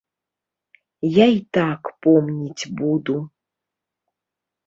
Я і так помніць буду.